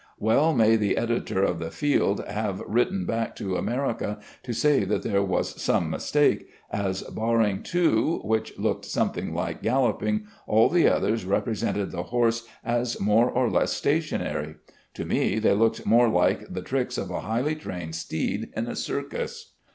Well may the editor of the Field have written back to America to say that there was some mistake, as, barring two, which looked something like galloping, all the others represented the horse as more or less stationary. To me they looked more like the tricks of a highly trained steed in a circus.